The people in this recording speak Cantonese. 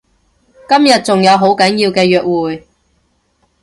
今日仲有好緊要嘅約會